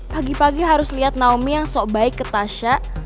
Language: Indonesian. pagi pagi harus lihat naomi yang sok baik ke tasha